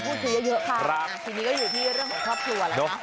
ทีนี้ก็อยู่ที่เรื่องของครอบครัวแล้วนะครับ